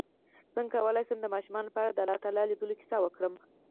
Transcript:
څنګه کولی شم د ماشومانو لپاره د الله تعالی لیدلو کیسه وکړم